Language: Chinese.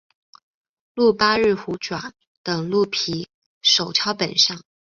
鹿八日虎爪等鹿皮手抄本上。